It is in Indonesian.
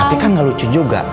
tapi kan gak lucu juga